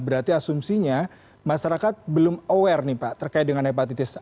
berarti asumsinya masyarakat belum aware nih pak terkait dengan hepatitis